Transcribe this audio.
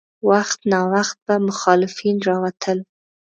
وخت ناوخت به مخالفین راوتل.